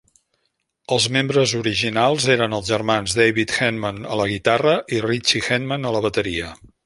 Els membres originals eren els germans David Henman a la guitarra i Ritchie Henman a la bateria.